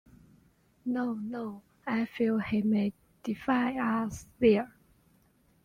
No, no; I feel he may defy us there.